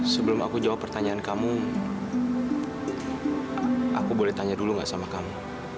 sebelum aku jawab pertanyaan kamu aku boleh tanya dulu nggak sama kamu